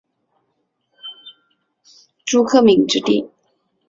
朱克敏之弟。